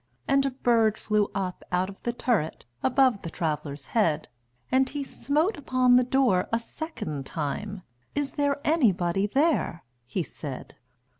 And a bird flew up out of the turret, Above the traveler's head: And he smote upon the door a second time; "Is there anybody there?" he said.